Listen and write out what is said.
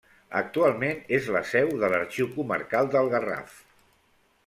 Actualment és la seu de l'Arxiu Comarcal del Garraf.